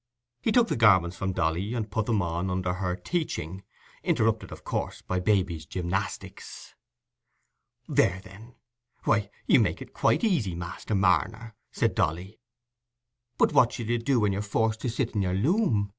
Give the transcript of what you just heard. He took the garments from Dolly, and put them on under her teaching; interrupted, of course, by Baby's gymnastics. "There, then! why, you take to it quite easy, Master Marner," said Dolly; "but what shall you do when you're forced to sit in your loom?